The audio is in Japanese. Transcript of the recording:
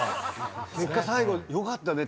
結果最後よかったね。